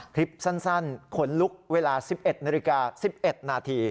คลิปสั้นขนลุกเวลา๑๑นาฬิกา๑๑นาที